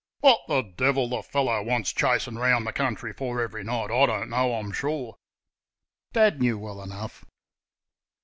What the devil the fellow wants chasing round the country for every night I don't know, I'm sure." (Dad knew well enough.)